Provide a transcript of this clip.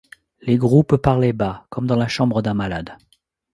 Les groupes parlaient bas, comme dans la chambre d’un malade.